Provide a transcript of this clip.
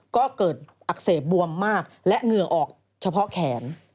ก็เกิดอักเสบบวมมากและเหงื่อออกเฉพาะแขน